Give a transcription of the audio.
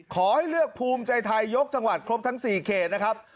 ขอให้เลือกภูมิใจไทยยกจังหวัดครบทั้ง๔เขตนะครับ